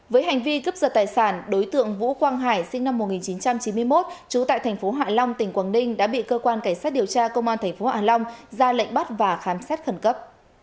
với hành vi cấp dật tài sản đối tượng vũ quang hải sinh năm một nghìn chín trăm chín mươi một trú tại tp hải long tỉnh quảng ninh đã bị cơ quan cảnh sát điều tra công an tp hải long ra lệnh bắt và khám xét khẩn cấp